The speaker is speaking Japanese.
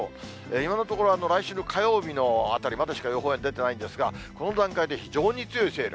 今のところ、来週の火曜日あたりまでしか予報円出てないんですが、この段階で非常に強い勢力。